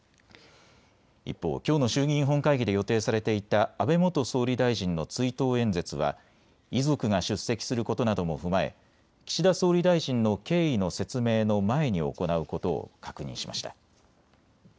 一方、きょうの衆議院本会議で予定されていた安倍元総理大臣の追悼演説は遺族が出席することなども踏まえ岸田総理大臣の経緯の説明の前に行うことを確認しました。